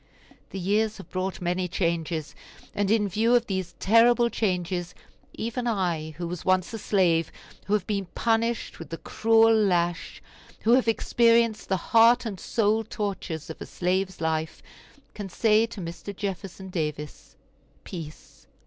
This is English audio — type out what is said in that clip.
The years have brought many changes; and in view of these terrible changes even I, who was once a slave, who have been punished with the cruel lash, who have experienced the heart and soul tortures of a slave's life, can say to Mr. Jefferson Davis, "Peace!